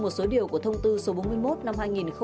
một số điều của thông tư số bốn mươi một năm hai nghìn một mươi ba